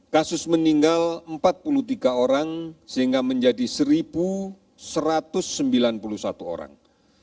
kasus meninggal empat puluh tiga orang sehingga menjadi satu satu ratus sembilan puluh satu orang